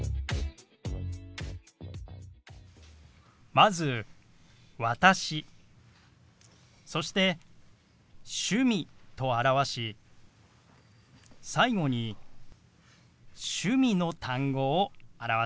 まず「私」そして「趣味」と表し最後に趣味の単語を表します。